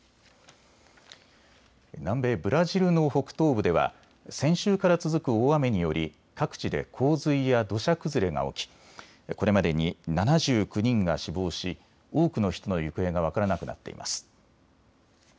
南米ブラジルの北東部では先週から続く大雨により各地で洪水や土砂崩れが起きこれまでに７９人が死亡し多くの人の行方が分からなくなっています。